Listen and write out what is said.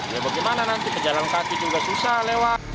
ya bagaimana nanti pejalan kaki juga susah lewat